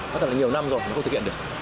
có thật là nhiều năm rồi nó không thực hiện được